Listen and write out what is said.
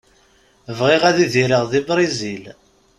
Bɣiɣ ad idireɣ di Brizil.